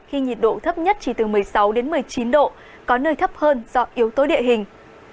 khi nhiệt độ thấp nhất chỉ từ một mươi sáu đến một mươi chín độ có nơi thấp hơn do yếu tố địa hình